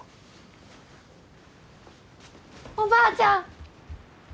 おばあちゃん！